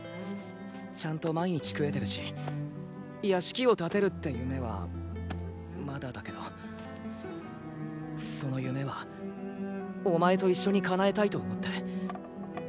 ちゃんと毎日食えてるし屋敷を建てるって夢はまだだけどその夢はお前と一緒に叶えたいと思って。